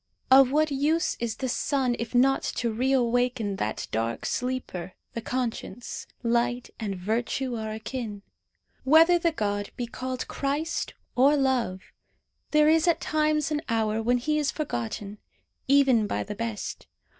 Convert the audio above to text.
Of what use is the sun if not to reawaken that dark sleeper the conscience? Light and virtue are akin. Whether the god be called Christ or Love, there is at times an hour when he is forgotten, even by the best.